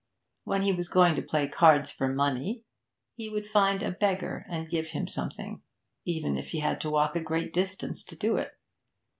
When he was going to play cards for money, he would find a beggar and give him something, even if he had to walk a great distance to do it.